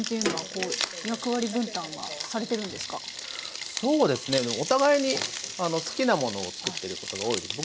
そうですねお互いに好きなものを作ってることが多いです。